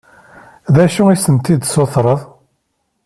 D acu i asent-d-tessutreḍ?